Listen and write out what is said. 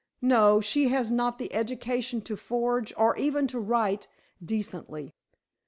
"No. She has not the education to forge, or even to write decently."